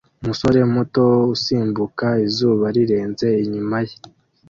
Umusore muto usimbuka izuba rirenze inyuma ye